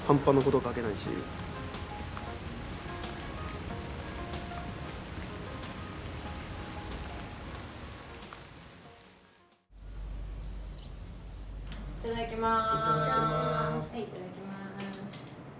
はいいただきます。